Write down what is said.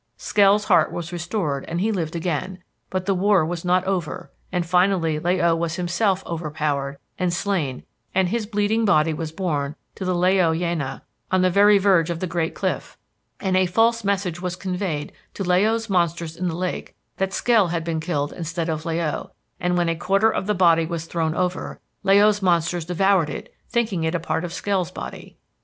"Skell's heart was restored and he lived again, but the war was not over and finally La o was himself overpowered and slain and his bleeding body was borne to the La o Yaina, on the very verge of the great cliff, and a false message was conveyed to La o's monsters in the lake that Skell had been killed instead of La o, and, when a quarter of the body was thrown over, La o's monsters devoured it thinking it a part of Skell's body.